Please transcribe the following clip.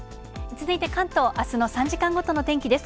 続いて関東、あすの３時間ごとの天気です。